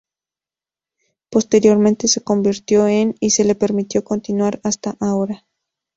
Posteriormente, se convirtió en y se le permitió continuar hasta ahora.